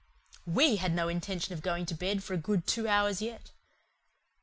WE had no intention of going to bed for a good two hours yet.